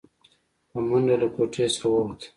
په منډه له کوټې څخه ووته.